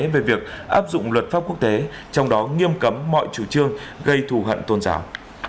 về việc áp dụng luật pháp quốc tế trong đó nghiêm cấm mọi chủ trương gây thù hận tôn giáo